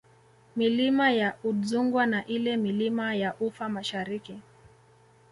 Milima ya Udzungwa na ile Milima ya Ufa Mashariki